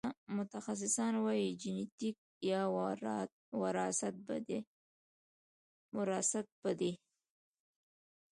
متخصصان وايي جنېتیک یا وراثت په دې